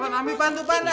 pak ami bantu pak